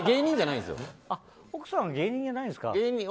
奥さん、芸人じゃないですか。